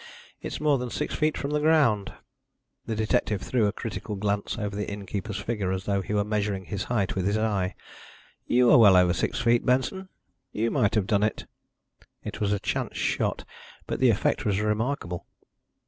It's more than six feet from the ground." The detective threw a critical glance over the innkeeper's figure as though he were measuring his height with his eye. "You are well over six feet, Benson you might have done it." It was a chance shot, but the effect was remarkable.